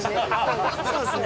そうですね。